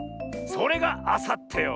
それがあさってよ。